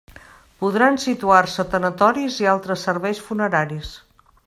Podran situar-se tanatoris i altres serveis funeraris.